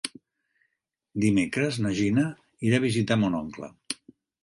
Dimecres na Gina irà a visitar mon oncle.